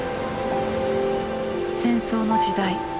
戦争の時代